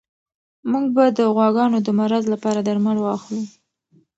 موږ به د غواګانو د مرض لپاره درمل واخلو.